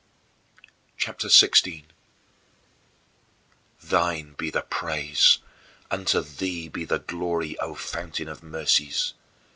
CHAPTER XVI 26. Thine be the praise; unto thee be the glory, O Fountain of mercies.